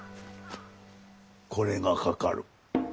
これがかかる。